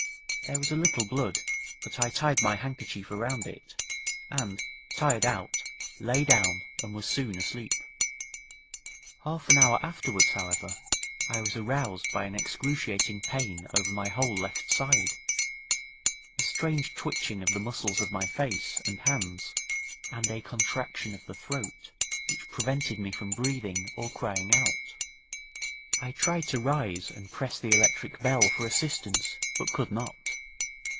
There was a little blood, but I tied my handkerchief around it, and, tired out, lay down and was soon asleep. Half an hour afterwards, however, I was aroused by an excruciating pain over my whole left side, a strange twitching of the muscles of my face and hands, and a contraction of the throat which prevented me from breathing or crying out. I tried to rise and press the electric bell for assistance, but could not.